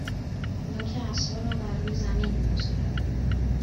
نوک عصا را بر روی زمین میگذارد